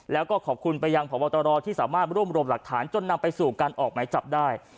และก็ขอบคุณประหญ่งพตรที่สามารถร่วมรวมหลักฐานจนนำไปสู่การออกไหมจับได้